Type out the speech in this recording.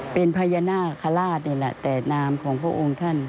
เป็นพญานาคาราชนี่แหละแต่นามของพระองค์ท่าน